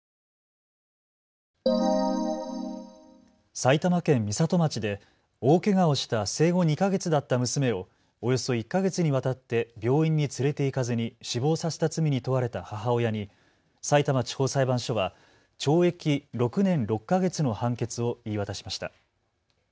埼玉県美里町で大けがをした生後２か月だった娘をおよそ１か月にわたって病院に連れて行かずに死亡させた罪に問われた母親にさいたま地方裁判所は懲役６年６か月の判決を言い渡しました。